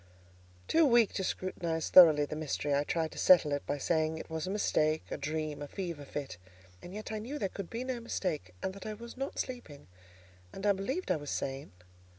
Too weak to scrutinize thoroughly the mystery, I tried to settle it by saying it was a mistake, a dream, a fever fit; and yet I knew there could be no mistake, and that I was not sleeping, and I believed I was sane.